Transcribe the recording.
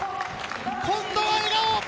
今度は笑顔！